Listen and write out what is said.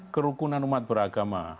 kerukunan umat beragama